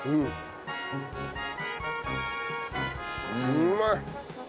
うまい。